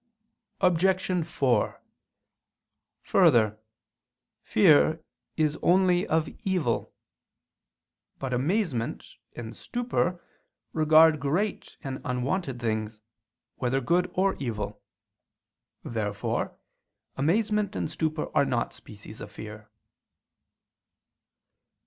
Obj. 4: Further, fear is only of evil. But amazement and stupor regard great and unwonted things, whether good or evil. Therefore amazement and stupor are not species of fear.